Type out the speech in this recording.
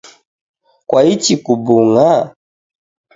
Kwaichi kubung’a?.